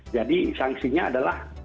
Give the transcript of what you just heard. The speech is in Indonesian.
jadi sanksinya adalah